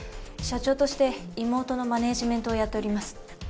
社長として妹のマネジメントをやっております。